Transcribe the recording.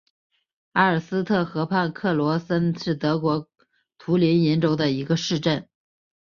埃尔斯特河畔克罗森是德国图林根州的一个市镇。